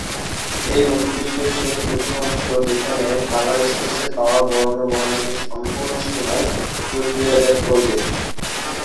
এটি মস্তিষ্কের সেই প্রথম অংশ যেখানে কালার স্পেস এ পাওয়া বর্ন বর্ণালির সম্পূর্ণ সীমায় প্রক্রিয়াজাত করবে।